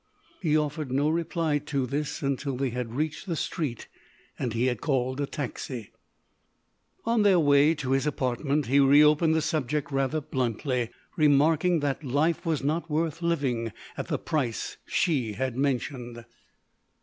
He offered no reply to this until they had reached the street and he had called a taxi. On their way to his apartment he re opened the subject rather bluntly, remarking that life was not worth living at the price she had mentioned.